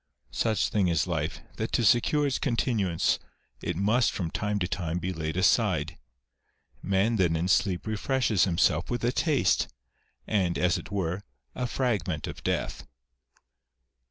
Such thing is life, that to secure its continuance it must from time to time be laid aside ; man then in sleep refreshes him self with a taste, and, as it were, a fragment of death.